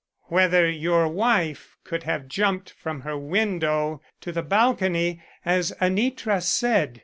Whether your wife could have jumped from her window to the balcony, as Anitra said.